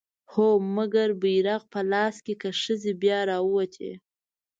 هو! مګر بيرغ په لاس که ښځې بيا راووتې